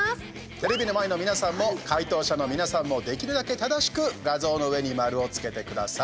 テレビの前の皆さんも解答者の皆さんもできるだけ正しく画像の上に丸をつけてください。